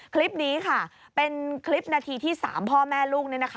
คลิปนี้ค่ะเป็นคลิปนาทีที่สามพ่อแม่ลูกนี่นะคะ